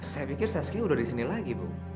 saya pikir saski udah di sini lagi bu